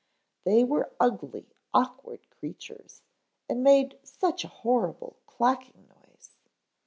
They were ugly, awkward creatures, and made such a horrible clacking noise.